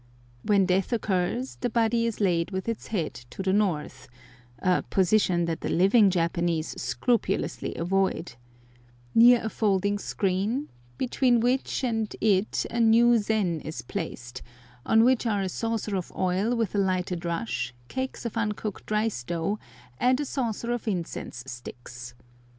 When death occurs the body is laid with its head to the north (a position that the living Japanese scrupulously avoid), near a folding screen, between which and it a new zen is placed, on which are a saucer of oil with a lighted rush, cakes of uncooked rice dough, and a saucer of incense sticks.